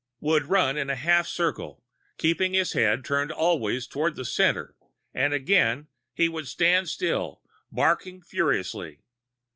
would run in a half circle, keeping his head turned always toward the centre and again he would stand still, barking furiously.